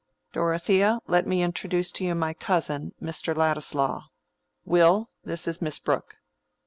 "Dorothea, let me introduce to you my cousin, Mr. Ladislaw. Will, this is Miss Brooke."